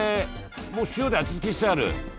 もう塩で味付けしてある。